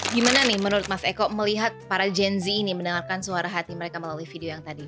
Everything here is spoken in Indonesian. gimana nih menurut mas eko melihat para gen z ini mendengarkan suara hati mereka melalui video yang tadi